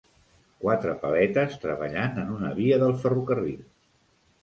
Quatre paletes treballant en una via del ferrocarril.